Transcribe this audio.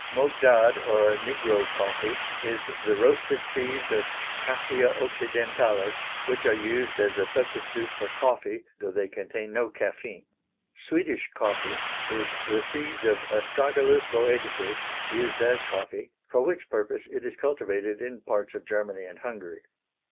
Mogdad or Negro coffee is the roasted seeds of Cassia occidentalis, which are used as a substitute for coffee, though they contain no caffeine. Swedish coffee is the seeds of Astragalus Boeticus used as coffee, for which purpose it is cultivated in parts of Germany and Hungary.